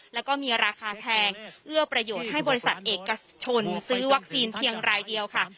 แล้วก็มีราคาแพงเอื้อประโยชน์ให้บริษัทเอกชนซื้อวัคซีนเพียงรายเดียวค่ะ